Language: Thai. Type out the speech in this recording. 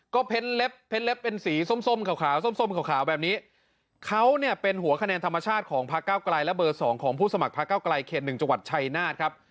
ก็เพ้นเล็บเพ้นเล็บเป็นสีส้มส้มขาวขาวส้มส้มขาวขาวแบบนี้เขาเนี้ยเป็นหัวคะแนนธรรมชาติของพักเก้ากลายและเบอร์สองของผู้สมัครพักเก้ากลายเคนหนึ่งจังหวัดชัยนาธครับ